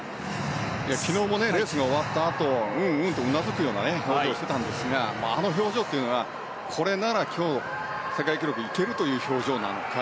昨日もレースが終わったあと、うんうんとうなずくような表情をしていたんですがあの表情というのがこれなら世界記録いけるという表情なのか。